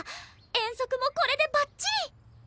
遠足もこれでバッチリ！